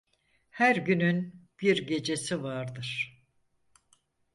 Her günün bir gecesi vardır.